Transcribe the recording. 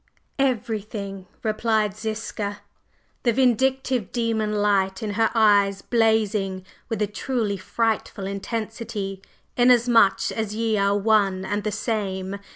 "Everything!" replied Ziska, the vindictive demon light in her eyes blazing with a truly frightful intensity. "Inasmuch as ye are one and the same!